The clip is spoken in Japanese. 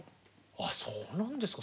あそうなんですか。